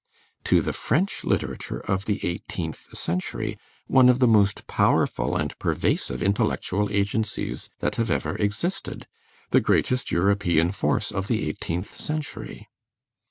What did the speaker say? To the French literature of the eighteenth century, one of the most powerful and pervasive intellectual agencies that have ever existed, the greatest European force of the eighteenth century.